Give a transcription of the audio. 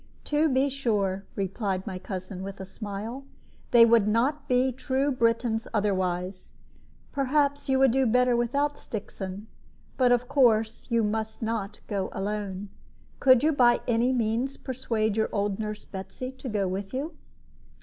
"To be sure," replied my cousin, with a smile; "they would not be true Britons otherwise. Perhaps you would do better without Stixon; but of course you must not go alone. Could you by any means persuade your old nurse Betsy to go with you?"